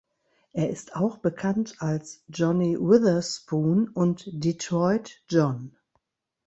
Er ist auch bekannt als "Johnny Witherspoon" und "Detroit John".